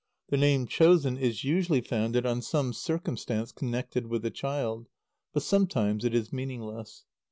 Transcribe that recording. The name chosen is usually founded on some circumstance connected with the child, but sometimes it is meaningless.